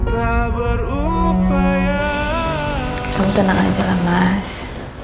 kamu tenang aja lah mas